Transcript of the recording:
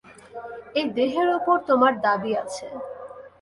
এই দেহের উপর তোমার দাবী আছে।